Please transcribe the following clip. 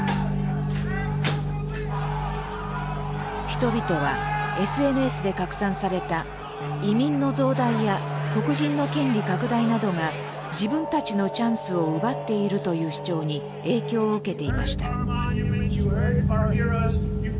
人々はＳＮＳで拡散された「移民の増大や黒人の権利拡大などが自分たちのチャンスを奪っている」という主張に影響を受けていました。